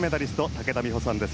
武田美保さんです。